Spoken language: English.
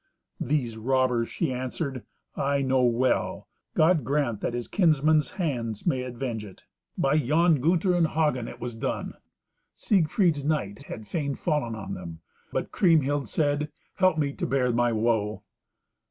"These robbers," she answered, "I know well. God grant that his kinsmen's hands may avenge it. By you, Gunther and Hagen, was it done." Siegfried's knights had fain fallen on them, but Kriemhild said, "Help me to bear my woe."